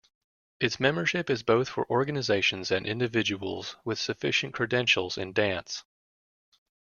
Its membership is both for organizations and individuals with sufficient credentials in dance.